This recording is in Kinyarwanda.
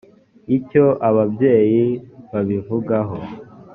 icyo ababyeyi babivugaho